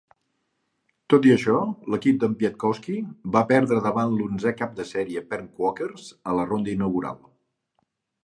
Tot i això, l'equip de Piatkowski va perdre davant l'onzè cap de sèrie Penn Quakers a la ronda inaugural.